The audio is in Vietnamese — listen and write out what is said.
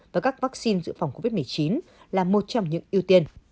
và các vắc xin dự phòng covid một mươi chín là một trong những ưu tiên